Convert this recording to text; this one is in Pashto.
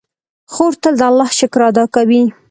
خور تل د الله شکر ادا کوي.